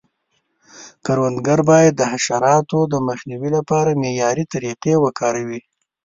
کروندګر باید د حشراتو د مخنیوي لپاره معیاري طریقې وکاروي.